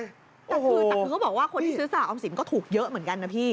แต่คือแต่คือเขาบอกว่าคนที่ซื้อสลากออมสินก็ถูกเยอะเหมือนกันนะพี่